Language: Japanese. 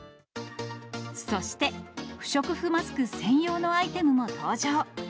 そして、不織布マスク専用のアイテムも登場。